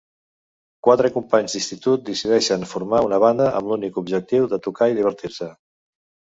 Quatre companys d'institut decideixen formar una banda amb l'únic objectiu de tocar i divertir-se.